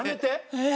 えっ？